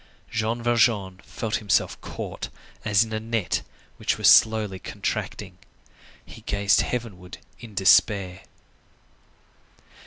Jean Valjean felt himself caught, as in a net, which was slowly contracting; he gazed heavenward in despair.